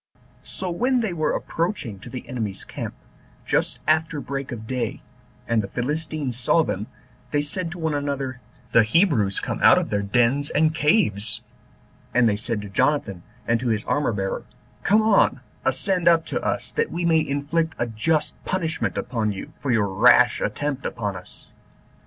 So when they were approaching to the enemy's camp, just after break of day, and the Philistines saw them, they said one to another, "The Hebrews come out of their dens and caves:" and they said to Jonathan and to his armor bearer, "Come on, ascend up to us, that we may inflict a just punishment upon you, for your rash attempt upon us."